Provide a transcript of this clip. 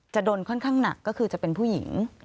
จะโดนค่อนข้างหนักก็คือจะเป็นผู้หญิง